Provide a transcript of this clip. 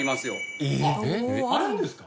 あっあるんですか？